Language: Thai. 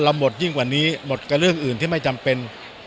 หมดยิ่งกว่านี้หมดกับเรื่องอื่นที่ไม่จำเป็น